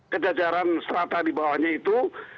kejajaran serata di bawahnya itu